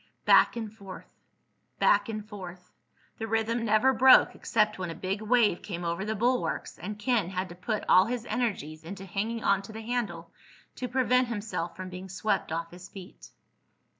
Back and forth ... back and forth.... The rhythm never broke except when a big wave came over the bulwarks and Ken had to put all his energies into hanging onto the handle to prevent himself from being swept off his feet.